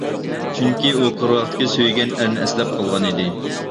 چۈنكى ئۇ قىرغاقتىكى سۆيگەن ئەرنى ئەسلەپ قالغان ئىدى.